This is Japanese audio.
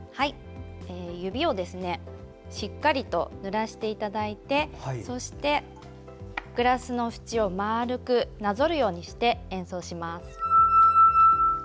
指をしっかりとぬらしていただいてそして、グラスの縁を丸くなぞるようにして演奏します。